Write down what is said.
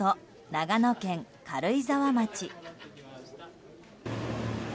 長野県軽井沢町。